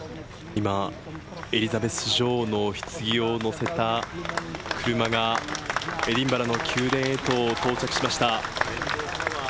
今、エリザベス女王のひつぎを載せた車が、エディンバラの宮殿へと到着しました。